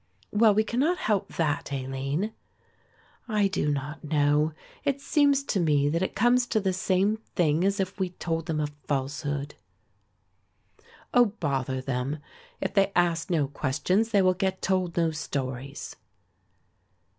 "Well, we cannot help that, Aline." "I do not know, it seems to me that it comes to the same thing as if we told them a falsehood." "Oh, bother them; if they ask no questions they will get told no stories."